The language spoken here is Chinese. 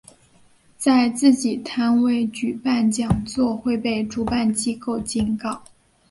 在自己摊位举行讲座会被主办机构警告。